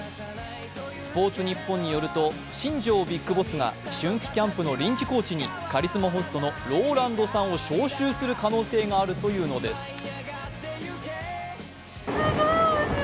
スポーツニッポンによると新庄ビッグボスがキャン春季キャンプに、カリスマホストのＲＯＬＡＮＤさんを招集する可能性があるというのです。